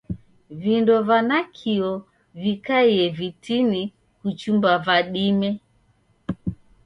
Vindo va nakio vikaie vitini kuchumba va dime.